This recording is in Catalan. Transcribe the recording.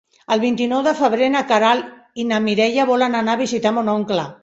El vint-i-nou de febrer na Queralt i na Mireia volen anar a visitar mon oncle.